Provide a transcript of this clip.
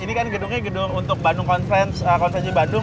ini kan gedungnya untuk bandung conference konserji bandung